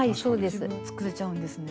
作れちゃうんですね。